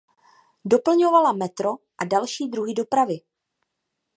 Doplňovala metro a další druhy dopravy.